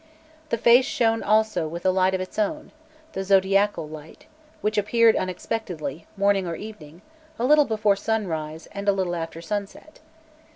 The face shone also with a light of its own, the zodiacal light, which appeared unexpectedly, morning or evening, a little before sunrise, and a little after sunset.